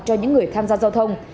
cho những người tham gia giao thông